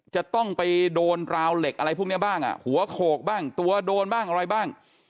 จะต้องไปโดนราวเหล็กอะไรพวกนี้บ้างอ่ะหัวโขกบ้างตัวโดนบ้างอะไรบ้าง